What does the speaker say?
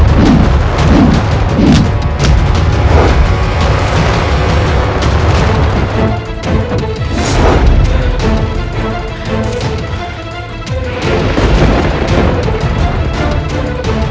lalu kita akan menerima balasan dari perbuatanmu